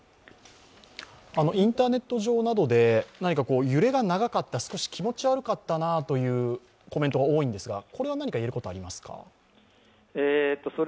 インターネット上などで揺れが長かった、少し気持ち悪かったなというコメントが多いんですが何か言えることはありますか？